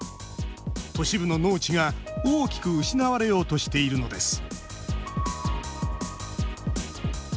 都市部の農地が大きく失われようとしているのです